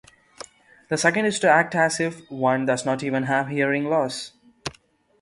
The second is to act "as if" one does not even have hearing loss.